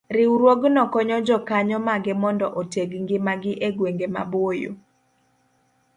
Riwruogno konyo jokanyo mage mondo oteg ngimagi e gwenge maboyo